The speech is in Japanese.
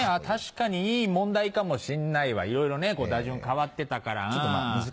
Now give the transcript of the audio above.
確かにいい問題かもしんないわいろいろ打順変わってたから。